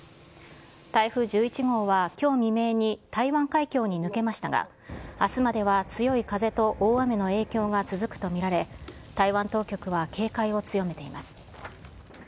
台風１１号はきょう未明に台湾海峡に抜けましたが、あすまでは強い風と大雨の影響が続くと見られ、台湾当局は警戒を強めています。